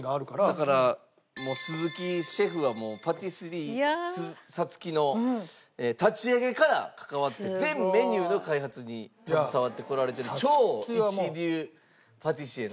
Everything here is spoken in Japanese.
だから鈴木シェフはもうパティスリーＳＡＴＳＵＫＩの立ち上げから関わって全メニューの開発に携わってこられてる超一流パティシエ。